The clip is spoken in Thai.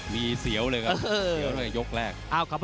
มีเสียวเลยครับเสียวตั้งแต่ยกแรก